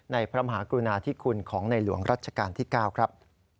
พระมหากรุณาธิคุณของในหลวงรัชกาลที่๙ครับ